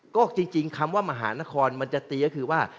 ก็จริงคำว่ามหานครมันจะตีก็คือว่า